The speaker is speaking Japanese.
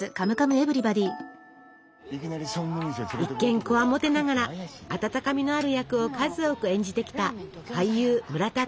一見こわもてながら温かみのある役を数多く演じてきた俳優村田雄浩さん。